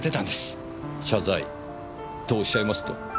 謝罪とおっしゃいますと？